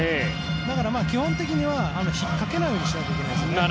だから基本的にはひっかけないようにしないといけないですね。